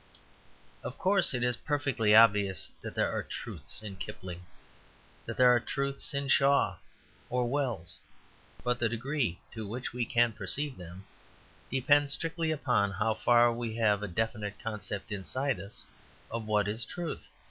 Of course, it is perfectly obvious that there are truths in Kipling, that there are truths in Shaw or Wells. But the degree to which we can perceive them depends strictly upon how far we have a definite conception inside us of what is truth.